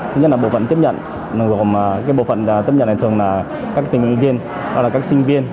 thứ nhất là bộ phận tiếp nhận bộ phận tiếp nhận này thường là các tình nguyện viên các sinh viên